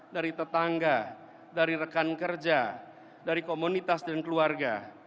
dari tetangga dari rekan kerja dari komunitas dan keluarga